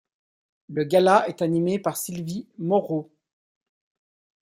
Le gala est animé par Sylvie Moreau.